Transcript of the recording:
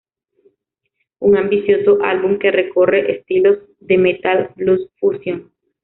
Un ambicioso álbum que recorre estilos de Metal-Blues-Fusion.